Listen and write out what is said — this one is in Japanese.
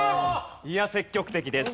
いやあ積極的です。